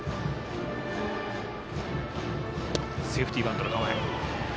セーフティーバントの構え。